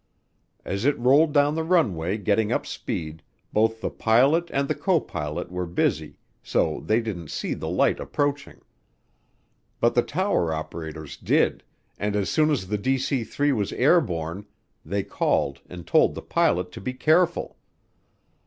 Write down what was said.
As it rolled down the runway getting up speed, both the pilot and the copilot were busy, so they didn't see the light approaching. But the tower operators did, and as soon as the DC 3 was airborne, they called and told the pilot to be careful.